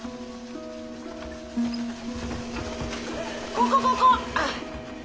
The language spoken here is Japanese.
ここここ！